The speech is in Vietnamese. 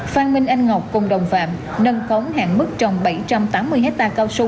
phan minh anh ngọc cùng đồng phạm nâng khóng hạng mức trồng bảy trăm tám mươi hectare cao su